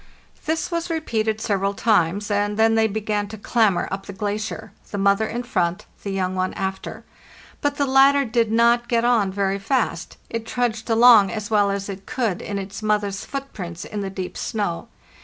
This was repeated several times, and then they THE NEW YEAR, 1896 481 began to clamber up the glacier, the mother in front, the young one after. But the latter did not get on very fast; it trudged along as well as it could in its mother's footprints in the deep snow.